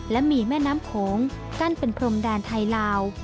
และมีแม่น้ำโขงกั้นเป็นพรมแดนไทยลาว